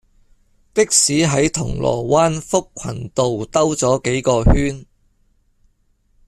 的士喺銅鑼灣福群道兜左幾個圈